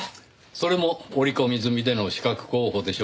それも織り込み済みでの刺客候補でしょうからねぇ。